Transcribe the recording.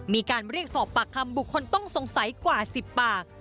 มีการเรียกสอบปากคำบุคคลต้องสงสัยกว่า๑๐ปาก